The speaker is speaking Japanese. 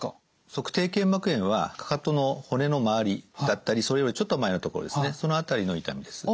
足底腱膜炎はかかとの骨の周りだったりそれよりちょっと前のところですねその辺りの痛みです。